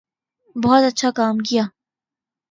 بہت اچھا کام کیا